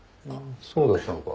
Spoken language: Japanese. そうだったのか。